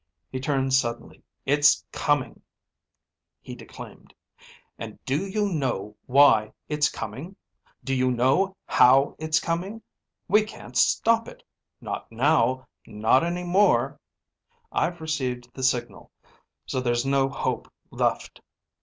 He turned suddenly. "It's coming!" he declaimed. "And do you know why it's coming? Do you know how it's coming? We can't stop it, not now, not any more. I've received the signal, so there's no hope left.